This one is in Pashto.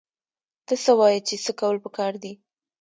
ته څه وايې چې څه کول پکار دي؟